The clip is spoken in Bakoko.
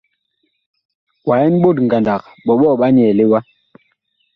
Wa ɛn ɓot ngandag, ɓɔɓɔɔ ɓa nyɛɛle wa ?